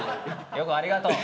よこありがとう。